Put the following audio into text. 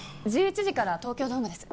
１１時から東京ドームです